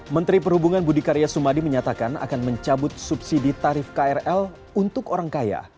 menteri perhubungan budi karya sumadi menyatakan akan mencabut subsidi tarif krl untuk orang kaya